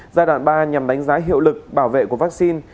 giai đoạn ba nhằm đánh giá hiệu lực bảo vệ của vaccine